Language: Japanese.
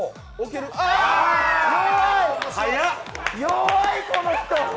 弱い、この人。